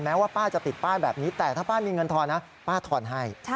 ว่าป้าจะติดป้ายแบบนี้แต่ถ้าป้ามีเงินทอนนะป้าทอนให้